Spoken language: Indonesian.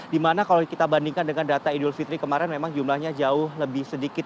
dimana kalau kita bandingkan dengan data idul fitri kemarin memang jumlahnya jauh lebih sedikit